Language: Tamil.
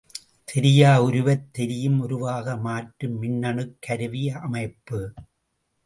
தெரியா உருவைத் தெரியும் உருவாக மாற்றும் மின்னணுக் கருவியமைப்பு.